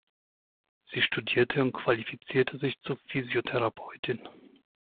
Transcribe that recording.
Sie studierte und qualifizierte sich zur Physiotherapeutin.